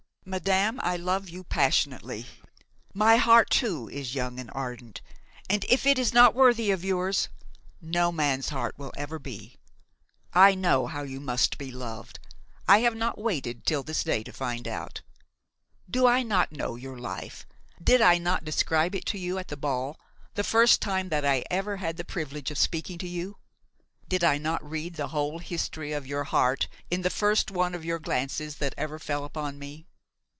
"Madame, I love you passionately; my heart too is young and ardent, and, if it is not worthy of yours, no man's heart will ever be. I know how you must be loved; I have not waited until this day to find out. Do I not know your life? did I not describe it to you at the ball, the first time that I ever had the privilege of speaking to you? Did I not read the whole history of your heart in the first one of your glances that ever fell upon me?